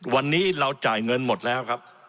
วันนี้เราจ่ายเงินหมดแล้วครับ